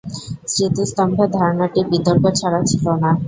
স্মৃতিস্তম্ভের ধারণাটি বিতর্ক ছাড়া ছিল না।